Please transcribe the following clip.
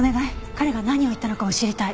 彼が何を言ったのかも知りたい。